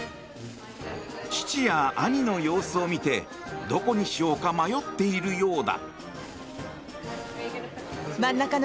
父や兄の様子を見てどこにしようか迷っているようだ。